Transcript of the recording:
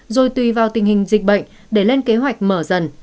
rồi tùy vào tình hình dịch bệnh để lên kế hoạch mở dần